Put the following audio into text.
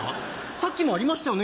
さっきもありましたよね？